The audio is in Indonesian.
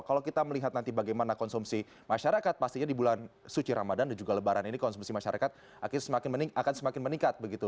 kalau kita melihat nanti bagaimana konsumsi masyarakat pastinya di bulan suci ramadan dan juga lebaran ini konsumsi masyarakat akan semakin meningkat begitu